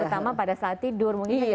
terutama pada saat tidur mungkin ya